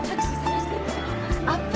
アップ